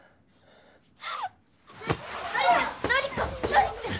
典ちゃん！